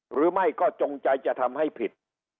หรือไม่ก็จงใจจะทำให้ผิด